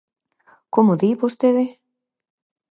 ¿Como di vostede?